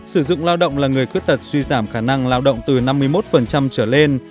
sử dụng lao động là người khuyết tật suy giảm khả năng lao động từ năm mươi một trở lên